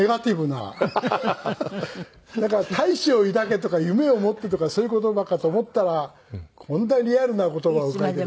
なんか「大志を抱け」とか「夢を持って」とかそういう言葉かと思ったらこんなリアルな言葉を書いて。